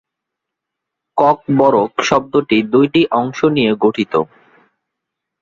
ককবরক শব্দটি দুইটি অংশ নিয়ে গঠিত।